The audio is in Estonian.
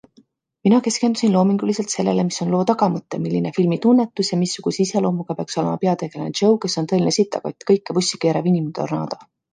Mina keskendusin loominguliselt sellele, mis on loo tagamõte, milline filmi tunnetus ja missuguse iseloomuga peaks olema peategelane Joe, kes on tõeline sitakott, kõike vussi keerav inim-tornaado.